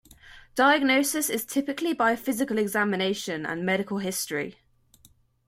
Diagnosis is typically by physical examination and medical history.